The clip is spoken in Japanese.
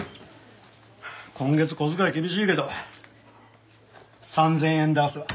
今月小遣い厳しいけど３０００円出すわ。